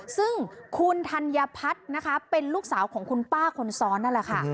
ซึ่งคุณธัญพัฒน์นะคะเป็นลูกสาวของคุณป้าคนซ้อนนั่นแหละค่ะ